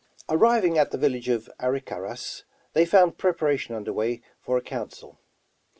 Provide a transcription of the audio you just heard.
Arriving at the village of the Arickaras, they found preparation under way for a council.